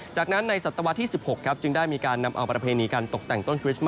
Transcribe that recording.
จากนั้นในศตวรรษที่๑๖จึงได้มีการนำเอาประเพณีการตกแต่งต้นคริสต์